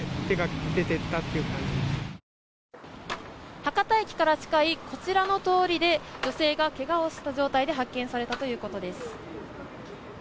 博多駅から近いこちらの通りで女性がけがをした状態で発見されたということです。